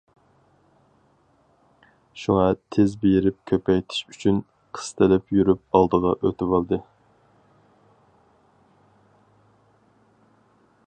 شۇڭا تېز بېرىپ كۆپەيتىش ئۈچۈن قىستىلىپ يۈرۈپ ئالدىغا ئۆتىۋالدى.